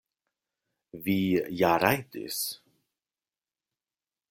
Vi ja rajdis!